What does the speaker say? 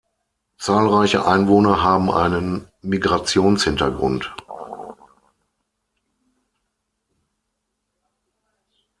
Zahlreiche Einwohner haben einen Migrationshintergrund.